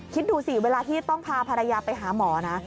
คิดดูสิเวลาที่ต้องพาภรรยาไปหาหมอนะ